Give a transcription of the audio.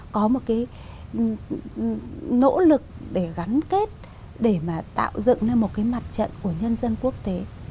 có một nỗ lực để gắn kết để tạo dựng lên một mặt trận của nhân dân quốc tế